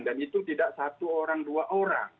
dan itu tidak satu orang dua orang